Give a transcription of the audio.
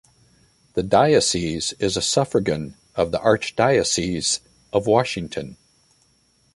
The diocese is a suffragan of the Archdiocese of Washington.